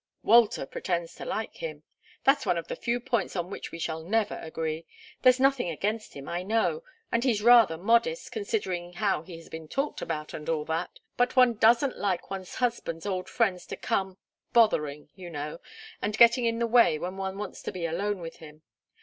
"Walter pretends to like him. That's one of the few points on which we shall never agree. There's nothing against him, I know, and he's rather modest, considering how he has been talked about and all that. But one doesn't like one's husband's old friends to come bothering you know, and getting in the way when one wants to be alone with him.